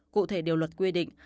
cụ thể điều luật quy định